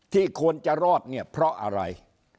ควรจะรอดเนี่ยเพราะอะไร